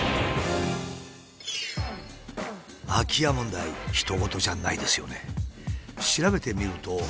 空き家問題ひと事じゃないですよね。